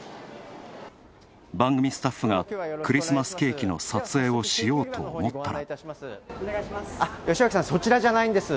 番組スタッフがクリスマスケーキの撮影をしようと思ったら。